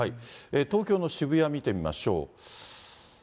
東京の渋谷見てみましょう。